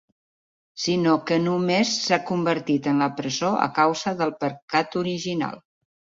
Sinó que només s'ha convertit en la presó a causa del pecat original.